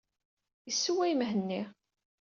Issewway Mhenni.